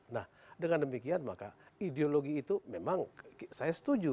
nah dengan demikian maka ideologi itu memang saya setuju